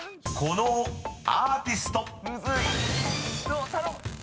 ［このアーティスト］